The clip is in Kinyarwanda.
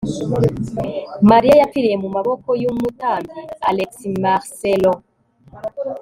Mariya yapfiriye mu maboko yumutambyi alexmarcelo